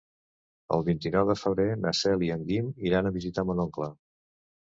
El vint-i-nou de febrer na Cel i en Guim iran a visitar mon oncle.